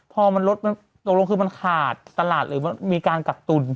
พอมันลดมันตกลงคือมันขาดตลาดหรือมันมีการกักตุ่น